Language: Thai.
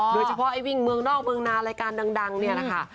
โดยเฉพาะไอ้วิ่งเมืองนอกเมืองนารายการดังเนี่ยแหละค่ะ